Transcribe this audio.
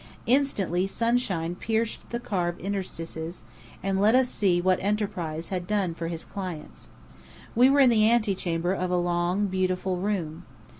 Instantly sunshine pierced the carved interstices, and let us see what Enterprise had done for his clients. We were in the antechamber of a long, beautiful room.